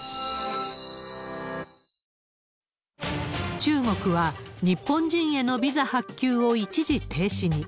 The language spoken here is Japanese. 中国は、日本人へのビザ発給を一時停止に。